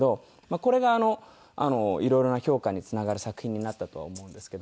これが色々な評価につながる作品になったとは思うんですけど。